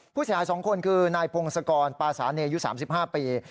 ผู้เสียหาย๒คนคือนายพงศกรปาสาเนยุ๓๕ปี